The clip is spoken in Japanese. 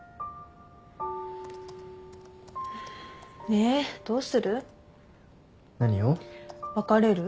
ねどうする？